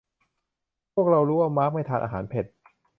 พวกเรารู้ว่ามาร์คไม่ทานอาหารเผ็ด